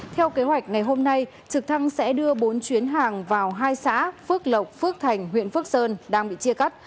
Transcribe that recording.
theo kế hoạch ngày hôm nay trực thăng sẽ đưa bốn chuyến hàng vào hai xã phước lộc phước thành huyện phước sơn đang bị chia cắt